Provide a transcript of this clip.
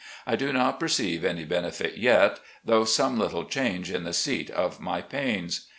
I do not perceive any benefit yet, though some little change in the seat of my pains.